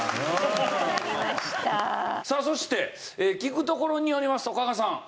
さあそして聞くところによりますと加賀さん